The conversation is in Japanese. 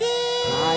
はい。